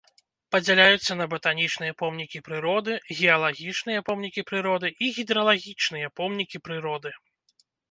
Падзяляюцца на батанічныя помнікі прыроды, геалагічныя помнікі прыроды і гідралагічныя помнікі прыроды.